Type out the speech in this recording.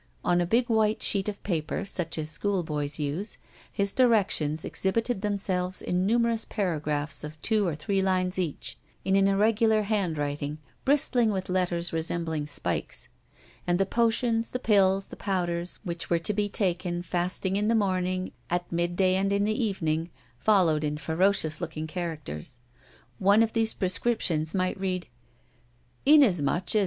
On a big white sheet of paper such as schoolboys use, his directions exhibited themselves in numerous paragraphs of two or three lines each, in an irregular handwriting, bristling with letters resembling spikes. And the potions, the pills, the powders, which were to be taken fasting in the morning, at midday, and in the evening, followed in ferocious looking characters. One of these prescriptions might read: "Inasmuch as M.